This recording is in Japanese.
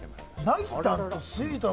なぎたんとスイートな？